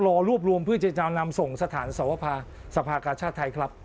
รอรวบรวมเพื่อจะนำส่งสถานสวภาสภากาชาติไทยครับ